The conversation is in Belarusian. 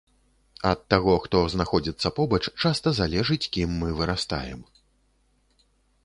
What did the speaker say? Ад таго, хто знаходзіцца побач, часта залежыць, кім мы вырастаем.